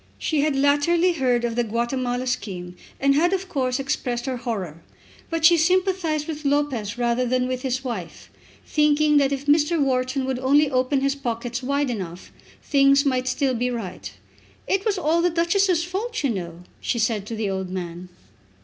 She had latterly heard of the Guatemala scheme, and had of course expressed her horror. But she sympathised with Lopez rather than with his wife, thinking that if Mr. Wharton would only open his pockets wide enough things might still be right. "It was all the Duchess's fault, you know," she said to the old man.